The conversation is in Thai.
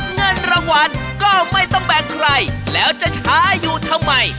เงินรางวัลก็ไม่ต้องแบ่งใครแล้วจะช้าอยู่ทำไม